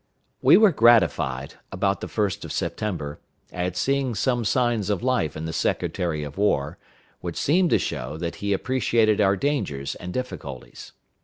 We were gratified, about the 1st of September, at seeing some signs of life in the Secretary of War, which seemed to show that he appreciated our dangers and difficulties.